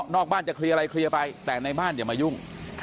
นอกบ้านจะเคลียร์อะไรเคลียร์ไปแต่ในบ้านอย่ามายุ่ง